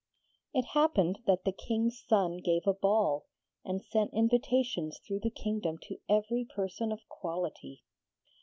It happened that the King's son gave a ball, and sent invitations through the kingdom to every person of quality.